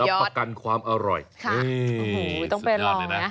รับประกันความอร่อยนี่สุดยอดเลยนะจุ่มแซ่บ๑๐บาท